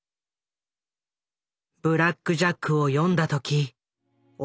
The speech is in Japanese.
「ブラック・ジャック」を読んだ時大